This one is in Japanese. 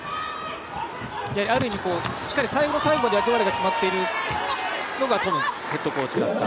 ある意味、最後の最後まで役割が決まっているのがトムヘッドコーチだった。